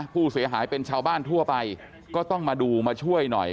ผู้เสียหายเป็นชาวบ้านทั่วไปก็ต้องมาดูมาช่วยหน่อย